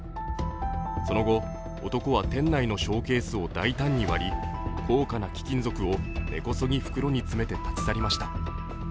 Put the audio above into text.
その後、男は店内のショーケースを大胆に割り、高価な貴金属を根こそぎ袋に詰めて立ち去りました。